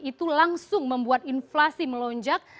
itu langsung membuat inflasi melonjak